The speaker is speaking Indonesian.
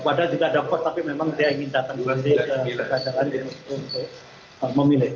padahal juga ada pos tapi memang dia ingin datang ke jalan ini untuk memilih